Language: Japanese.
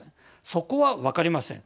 そこは分かりません。